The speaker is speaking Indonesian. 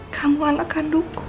kamu anak kandungku